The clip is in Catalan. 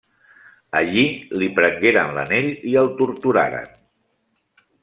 Allí li prengueren l'anell i el torturaren.